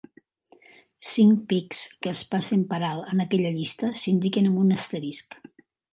Cinc pics que es passen per alt en aquella llista s'indiquen amb un asterisc.